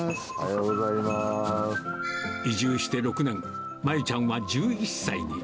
移住して６年、まゆちゃんは１１歳に。